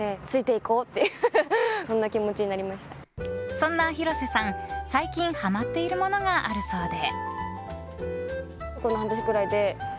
そんな広瀬さん、最近ハマっているものがあるそうで。